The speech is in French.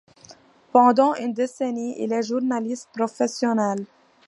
Pendant une décennie, il est journaliste professionnel.